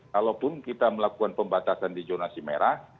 kalaupun kita melakukan pembatasan di jonasi merah